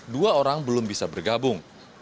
dua orang belum bisa bergabung